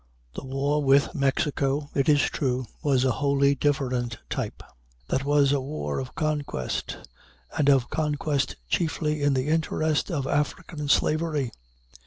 The war with Mexico, it is true, was of a wholly different type. That was a war of conquest, and of conquest chiefly in the interest of African slavery.